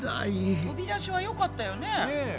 飛び出しはよかったよね。ね。